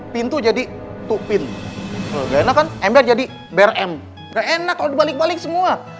pintu jadi tupin ga enak kan ember jadi brm ga enak kalo dibalik balik semua